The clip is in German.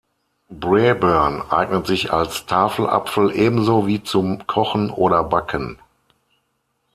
Braeburn eignet sich als Tafelapfel ebenso wie zum Kochen oder Backen.